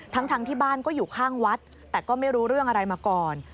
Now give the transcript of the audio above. ทั้งที่บ้านก็อยู่ข้างวัดแต่ก็ไม่รู้เรื่องอะไรมาก่อน